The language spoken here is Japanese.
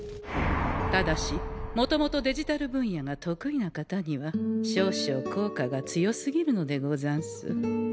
ただしもともとデジタル分野が得意な方には少々効果が強すぎるのでござんす。